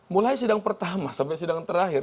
mulai sidang pertama sampai sidang terakhir